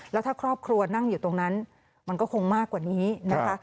แล้วถ้าครอบครัวนั่งอยู่ตรงนั้นมันก็คงมากกว่านี้นะคะ